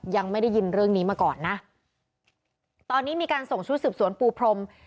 ยังไม่ได้ยินเรื่องนี้มาก่อนนะตอนนี้มีการส่งชุดสืบสวนปูพรม